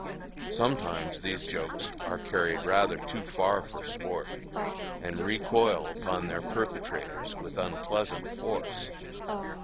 Sometimes these jokes are carried rather too far for sport, and recoil upon their perpetrators with unpleasant force.